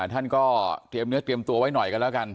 ท่านก็เตรียมเนื้อเตรียมตัวไว้หน่อยกันแล้วกัน